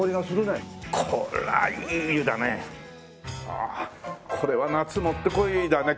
ああこれは夏もってこいだね